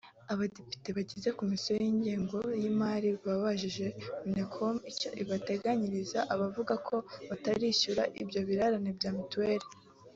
Abadepite bagize Komisiyo y’ingengo y’imari babajije Minecofin icyo iteganyiriza abavuga ko batarishyurwa ibyo birarane bya Mutuweli